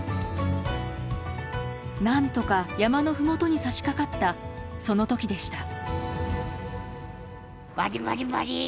なんとか山の麓にさしかかったその時でした。